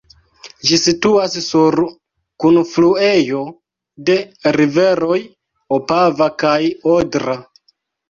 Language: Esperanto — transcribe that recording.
Ĝi situas sur kunfluejo de riveroj Opava kaj Odra.